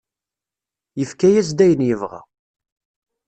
Yefka-as-d ayen yebɣa.